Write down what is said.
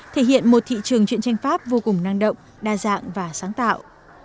thể hiện một thị trường chuyện tranh pháp vô cùng năng động đa dạng và sáng tạo